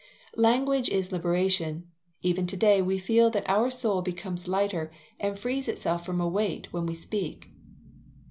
"Language is liberation; even to day we feel that our soul becomes lighter, and frees itself from a weight, when we speak."